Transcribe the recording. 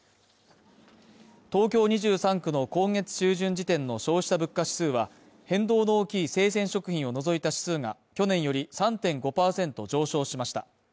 東京２３区の今月中旬時点の消費者物価指数は、変動の大きい生鮮食品を除いた指数が去年より３．５％上昇しました。